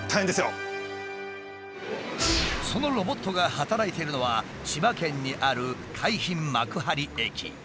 そのロボットが働いてるのは千葉県にある海浜幕張駅。